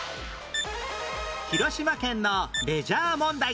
広島県のレジャー問題